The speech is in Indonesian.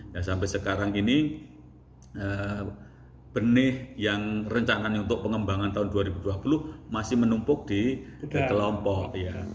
dan sampai sekarang ini benih yang rencangannya untuk pengembangan tahun dua ribu dua puluh masih menumpuk di kelompok